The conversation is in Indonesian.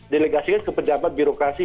delegasikan ke pejabat birokrasi